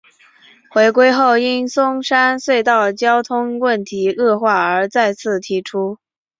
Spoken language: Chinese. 回归后因松山隧道交通问题恶化而再次提出。